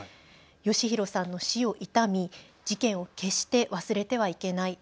剛丈さんの死を悼み事件を決して忘れてはいけない。